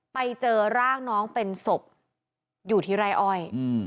ไปเจอร่างน้องเป็นศพอยู่ที่ไร่อ้อย